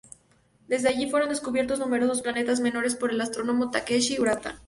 Desde allí fueron descubiertos numerosos planetas menores por el astrónomo Takeshi Urata.